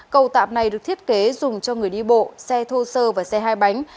cầu tạm này được thiết kế dùng cho người đi bộ xe thô sơ và xe hai bánh